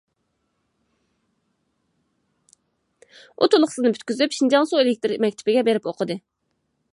ئۇ تولۇقسىزنى پۈتكۈزۈپ شىنجاڭ سۇ ئېلېكتىر مەكتىپىگە بېرىپ ئوقۇدى.